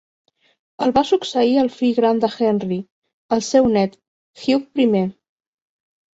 El va succeir el fill gran d'Henry, el seu nét, Hugh Primer.